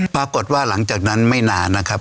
ปรากฏว่าหลังจากนั้นไม่นานนะครับ